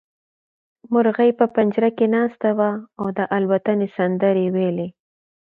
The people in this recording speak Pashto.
مرغۍ په پنجره کې ناسته وه او د الوتنې سندرې يې ويلې.